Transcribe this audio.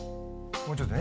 もうちょっとだな。